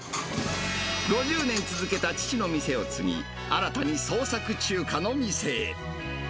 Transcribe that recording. ５０年続けた父の店を継ぎ、新たに創作中華の店へ。